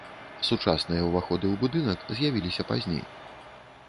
Сучасныя ўваходы ў будынак з'явіліся пазней.